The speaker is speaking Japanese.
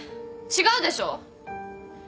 違うでしょ？